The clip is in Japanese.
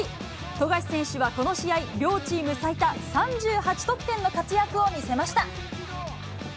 富樫選手はこの試合、両チーム最多３８得点の活躍を見せました。